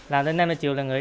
làm đến năm giờ chiều là nghỉ